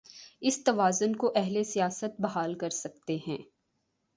اس توازن کو اہل سیاست بحال کر سکتے ہیں۔